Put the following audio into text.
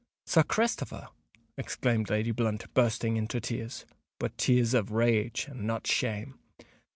"Sir Christopher!" exclaimed Lady Blunt, bursting into tears—but tears of rage, and not shame.